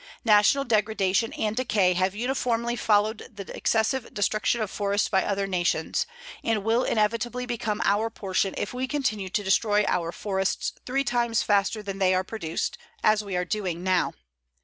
National degradation and decay have uniformly followed the excessive destruction of forests by other nations, and will inevitably become our portion if we continue to destroy our forests three times faster than they are produced, as we are doing now.